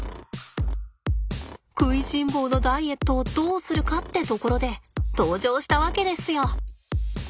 食いしん坊のダイエットをどうするかってところで登場したわけですよ。